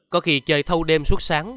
có khi chơi thâu đêm suốt sáng